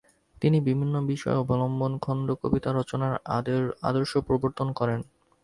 তিনি বিভিন্ন বিষয় অবলম্বনে খন্ডকবিতা রচনার আদর্শ প্রবর্তন করেন।